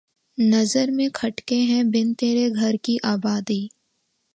نظر میں کھٹکے ہے بن تیرے گھر کی آبادی